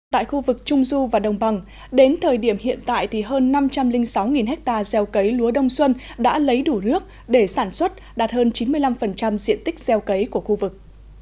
tại khu vực trung du và đồng bằng đến thời điểm hiện tại thì hơn năm trăm linh sáu ha gieo cấy lúa đông xuân đã lấy đủ nước để sản xuất đạt hơn chín mươi năm diện tích gieo cấy của khu vực